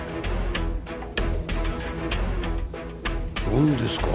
何ですか？